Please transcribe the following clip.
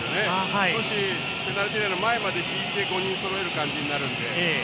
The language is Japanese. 少しペナルティーエリアの前まで引いて５人そろえる感じになるので。